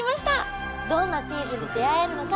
どんなチーズに出会えるのか？